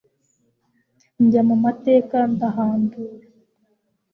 Njya mu mateka ndahandura